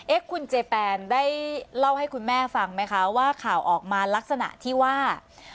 คุณเจแปนได้เล่าให้คุณแม่ฟังไหมคะว่าข่าวออกมาลักษณะที่ว่า